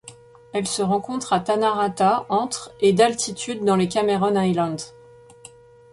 Elle se rencontre à Tanah Rata entre et d'altitude dans les Cameron Highlands.